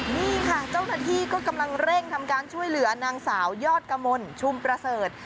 นี่ค่ะเจ้าหน้าที่ก็กำลังเร่งทำการช่วยเหลือนางสาวยอดกมลชุมประเสริฐ